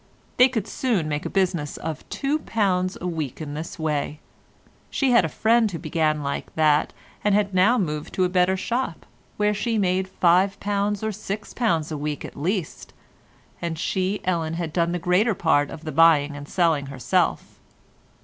They could soon make a business of £2 a week in this way; she had a friend who began like that and had now moved to a better shop, where she made £5 or £6 a week at least—and she, Ellen, had done the greater part of the buying and selling herself.